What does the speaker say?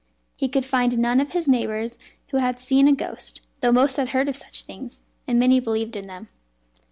He could find none of his neighbours who had seen a ghost, though most had heard of such things, and many believed in them.